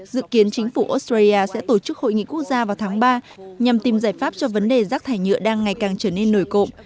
dự kiến chính phủ australia sẽ tổ chức hội nghị quốc gia vào tháng ba nhằm tìm giải pháp cho vấn đề rác thải nhựa đang ngày càng trở nên nổi cộng